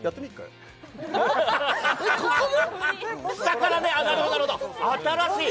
下から上がるなるほど新しい！